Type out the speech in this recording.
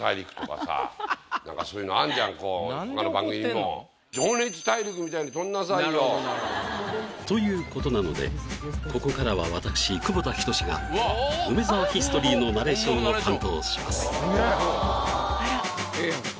なんかそういうのあんじゃんこうほかの番組にも。ということなのでここからは私窪田等が「梅沢ヒストリー」のナレーションを担当します